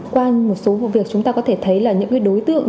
qua một số vụ việc chúng ta có thể thấy là những đối tượng